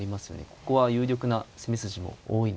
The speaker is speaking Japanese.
ここは有力な攻め筋も多いので。